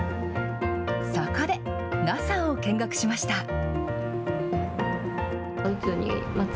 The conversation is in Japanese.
そこで、ＮＡＳＡを見学しました。